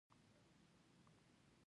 خو د کار وخت د ورځې دوه ساعته نور اوږد شي